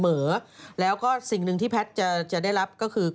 หมอแล้วก็สิ่งหนึ่งที่แพทย์จะได้รับก็คือ